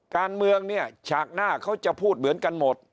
การเมืองเนี่ยฉากหน้าเขาจะพูดเหมือนกันหมด